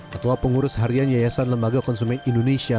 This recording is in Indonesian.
ketua pengurus harian yayasan lembaga konsumen indonesia